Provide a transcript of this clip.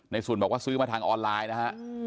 นายซุลบอกซื้อให้มันมาทางออนไลน์นะฮะ